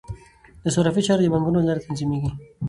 د صرافۍ چارې د بانکونو له لارې تنظیمیږي.